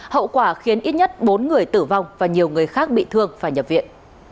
hậu quả khiến ít nhất bốn người tử vong và nhiều người khác bị thương phải nhập viện